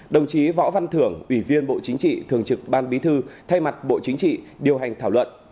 đồng chí võ văn thưởng ủy viên bộ chính trị thường trực ban bí thư thay mặt bộ chính trị điều hành thảo luận